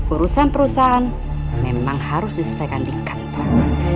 urusan perusahaan memang harus diselesaikan di kantor